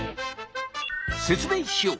説明しよう！